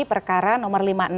perkembangan dan penyelesaian